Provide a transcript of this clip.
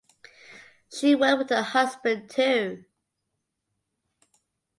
She worked with her husband too.